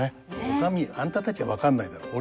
「お上あんたたちは分かんないだろう。